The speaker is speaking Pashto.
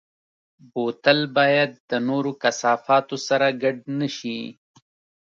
بوتل باید د نورو کثافاتو سره ګډ نه شي.